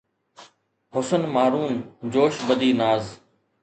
حسن مارون جوش بدي ناز